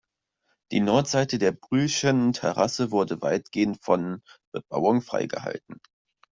Die "Nordseite" der Brühlschen Terrasse wurde weitgehend von Bebauung freigehalten.